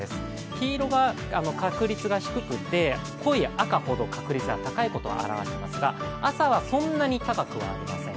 黄色が確率が低くて濃い赤ほど確率が高いことを表しますが朝はそんなに高くはありません